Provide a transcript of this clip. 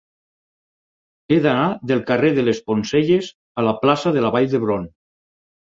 He d'anar del carrer de les Poncelles a la plaça de la Vall d'Hebron.